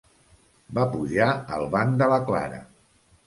Va pujar al banc de la Clara.